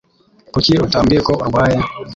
Kuki utambwiye ko urwaye?